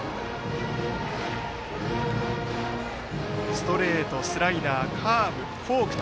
ストレート、スライダーカーブ、フォークと。